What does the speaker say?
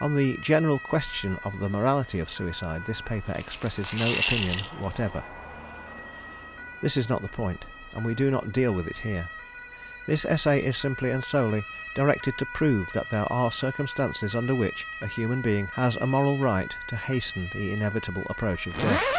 On the general question of the morality of suicide, this paper expresses no opinion whatever. This is not the point, and we do not deal with it here. This essay is simply and solely directed to prove that there are circumstances under which a human being has a moral right to hasten the inevitable approach of death.